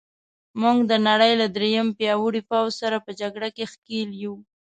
موږ د نړۍ له درېیم پیاوړي پوځ سره په جګړه کې ښکېل یو.